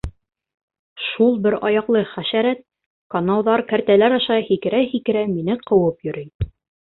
Шул бер аяҡлы хәшәрәт, канауҙар, кәртәләр аша һикерә-һикерә, мине ҡыуып йөрөй.